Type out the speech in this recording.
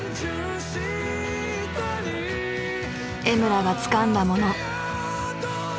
江村がつかんだもの。